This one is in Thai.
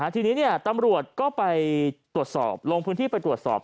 ทีนี้ตำรวจก็ไปตรวจสอบลงพื้นที่ไปตรวจสอบ